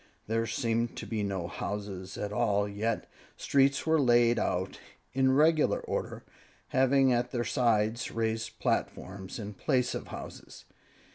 There seemed to be no houses at all, yet streets were laid out in regular order, having at their sides raised platforms in place of houses.